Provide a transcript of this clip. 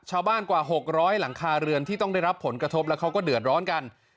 กว่า๖๐๐หลังคาเรือนที่ต้องได้รับผลกระทบแล้วเขาก็เดือดร้อนกัน